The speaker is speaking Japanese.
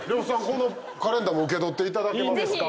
このカレンダーも受け取っていただけますか？